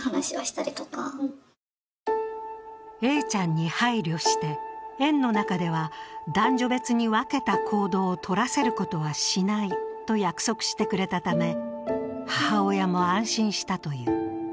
Ａちゃんに配慮して、園の中では男女別に分けた行動をとらせることはしないと約束してくれたため母親も安心したという。